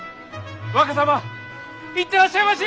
若様行ってらっしゃいまし！